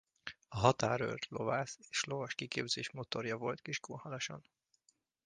A határőr lovász és lovas kiképzés motorja volt Kiskunhalason.